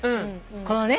このね